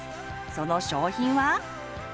その商品は？